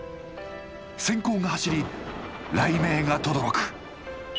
閃光が走り雷鳴がとどろく。